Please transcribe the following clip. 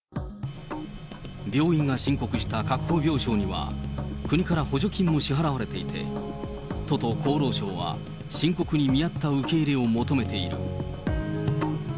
病院が申告した確保病床には、国から補助金も支払われていて、都と厚労省は、申告に見合った受け入れを求めている。